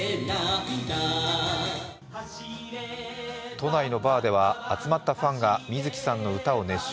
都内のバーでは集まったファンが水木さんの歌を熱唱。